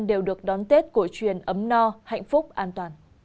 đều được đón tết cổ truyền ấm no hạnh phúc an toàn